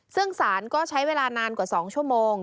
ซึ่งสารก็ใช้เวลานานกว่า๒ชั่วโมง